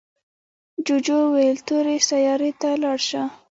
جوجو وویل تورې سیارې ته لاړ شه.